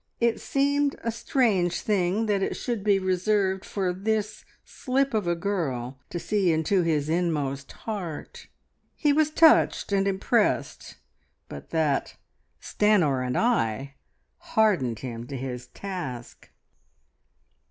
It seemed a strange thing that it should be reserved for this slip of a girl to see into his inmost heart. He was touched and impressed, but that "Stanor and I" hardened him to his task.